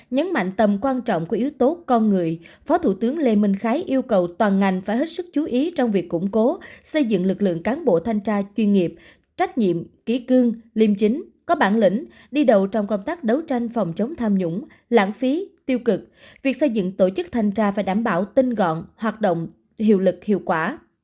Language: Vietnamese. nhấn mạnh tầm quan trọng của yếu tố con người phó thủ tướng lê minh khái yêu cầu toàn ngành phải hết sức chú ý trong việc củng cố xây dựng lực lượng cán bộ thanh tra chuyên nghiệp trách nhiệm ký cương liêm chính có bản lĩnh đi đầu trong công tác đấu tranh phòng chống tham nhũng lãng phí tiêu cực việc xây dựng tổ chức thanh tra và đảm bảo tinh gọn hoạt động hiệu lực hiệu quả